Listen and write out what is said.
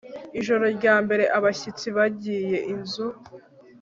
Ijoro ryambere abashyitsi bagiye inzu